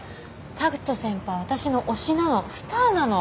拓人先輩は私の推しなのスターなの。